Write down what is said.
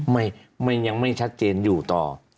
ไม่ยังไม่ชัดเจนอยู่ต่อ